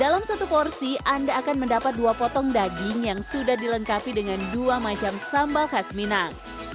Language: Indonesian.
dalam satu porsi anda akan mendapat dua potong daging yang sudah dilengkapi dengan dua macam sambal khas minang